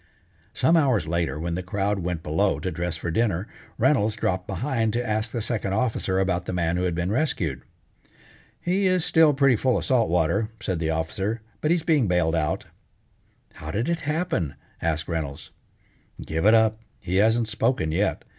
Some hours later when the crowd went below to dress for dinner, Reynolds dropped behind to ask the Second Officer about the man who had been rescued. "He is still pretty full of salt water," said the Officer, "but he is being bailed out." "How did it happen?" asked Reynolds. "Give it up. He hasn't spoken yet.